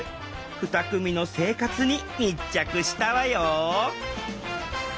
２組の生活に密着したわよ！